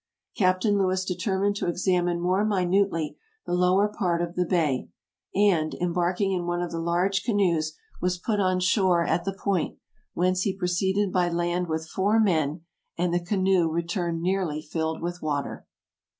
Cap tain Lewis determined to examine more minutely the lower part of the bay, and, embarking in one of the large canoes, was put on shore at the point, whence he proceeded by land with four men, and the canoe returned nearly filled with water.